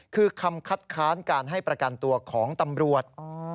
คือคำคัดค้านการให้ประกันตัวของตำรวจ